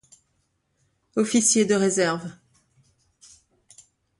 Officier de réserve.